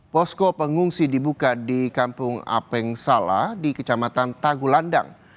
posko pengungsi dibuka di kampung apeng sala di kecamatan tagulandang